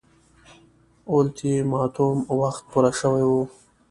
اولتیماتوم وخت پوره شوی وو.